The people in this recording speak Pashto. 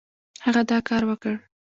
هغه دا کار وکړ.